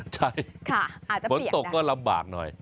ใช่ฝนตกก็ลำบากหน่อย